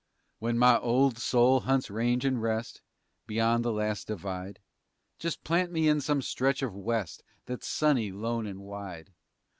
_ When my old soul hunts range and rest Beyond the last divide, Just plant me in some stretch of West That's sunny, lone and wide.